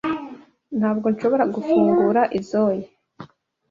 Ntabwo nshobora gufungura izoi.